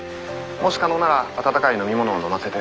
もし可能なら温かい飲み物を飲ませて。